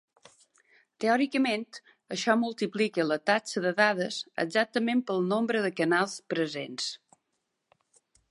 Teòricament, això multiplica la taxa de dades exactament pel nombre de canals presents.